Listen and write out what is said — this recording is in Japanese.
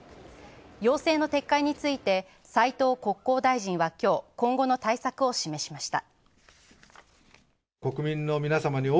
要請の撤回について斉藤国交大臣は今日、今後の対策を示しました。